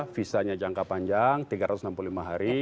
visanya jangka panjang tiga ratus enam puluh lima hari